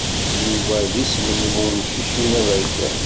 Yuba d isem n wemcic-inu aberkan.